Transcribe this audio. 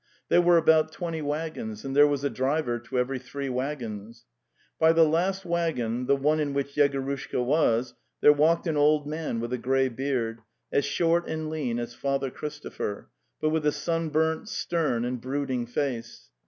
There were about twenty waggons, and there was a driver to every three waggons. By the last waggon, the one in which Yegorushka was, there walked an old man with a grey beard, as short and lean as Father Chris topher, but with a sunburnt, stern and brooding face.